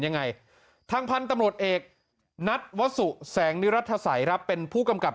ยังไงทางพันธุ์ตำรวจเอกนัทวสุแสงนิรัฐศัยครับเป็นผู้กำกับ